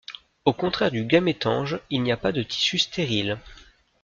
Au contraire du gamétange, il n'y a pas de tissu stérile.